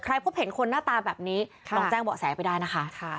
พบเห็นคนหน้าตาแบบนี้ลองแจ้งเบาะแสไปได้นะคะ